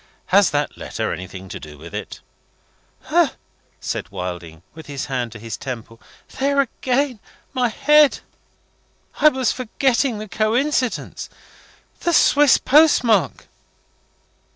Has that letter anything to do with it?" "Hah!" said Wilding, with his hand to his temple. "There again! My head! I was forgetting the coincidence. The Swiss postmark."